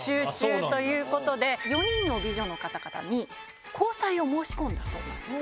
４人の美女の方々に交際を申し込んだそうなんです。